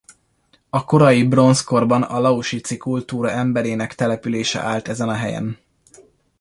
A korai bronzkorban a lausitzi kultúra emberének települése állt ezen a helyen.